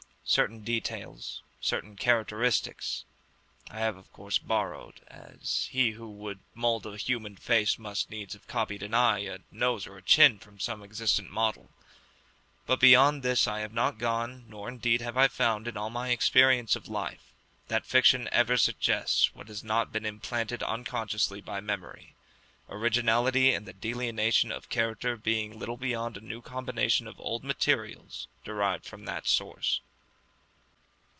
Certain details, certain characteristics, I have of course borrowed, as he who would mould a human face must needs have copied an eye, a nose, or a chin from some existent model; but beyond this I have not gone, nor, indeed, have I found, in all my experience of life, that fiction ever suggests what has not been implanted unconsciously by memory; originality in the delineation of character being little beyond a new combination of old materials derived from that source.